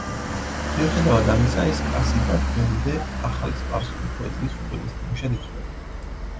მიუხედავად ამისა, ეს კასიდა დღემდე ახალი სპარსული პოეზიის უძველეს ნიმუშად ითვლება.